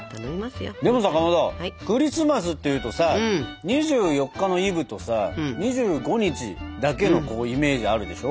でもさかまど「クリスマス」っていうとさ２４日のイブとさ２５日だけのイメージあるでしょ？